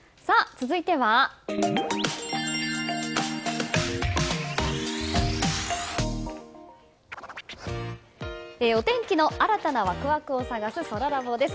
続いてはお天気の新たなワクワクを探すそらラボです。